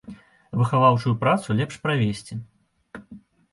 Выхаваўчую працу лепш правесці.